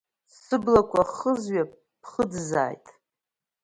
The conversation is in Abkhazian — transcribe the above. Сыблақәа хызҩап, ԥхыӡзааит!